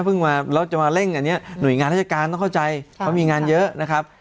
มาแล้วจะมาเร่งอันนี้หน่วยงานราชการต้องเข้าใจเขามีงานเยอะนะครับ